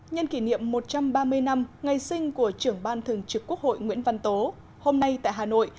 nhân kỷ niệm một trăm ba mươi năm ngày sinh của trưởng ban thường trực quốc hội nguyễn văn tố hôm nay tại hà nội